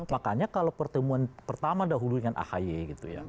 makanya kalau pertemuan pertama dahulu dengan ahy gitu ya